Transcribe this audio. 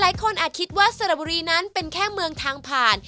อาจคิดว่าสระบุรีนั้นเป็นแค่เมืองทางผ่าน